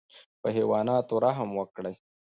په حیواناتو رحم وکړئ